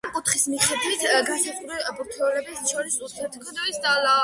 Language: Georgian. ამ კუთხის მიხედვით განსაზღვრა ბურთულებს შორის ურთიერთქმედების ძალა.